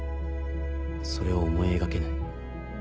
それを思い描けない。